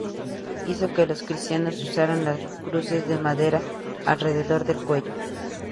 Hizo que los cristianos usaran las cruces de madera alrededor del cuello.